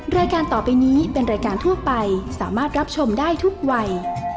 รายการต่อไปนี้เป็นรายการทั่วไปสามารถรับชมได้ทุกวัย